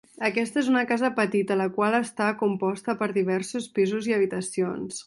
Aquesta és una casa petita la qual està composta per diversos pisos i habitacions.